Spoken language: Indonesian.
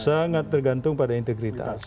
sangat tergantung pada integritas